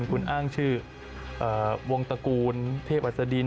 คุณอ้างชื่อวงตระกูลเทพอัศดิน